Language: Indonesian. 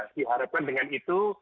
diharapkan dengan itu